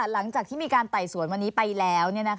หลังจากที่มีการไต่สวนวันนี้ไปแล้ว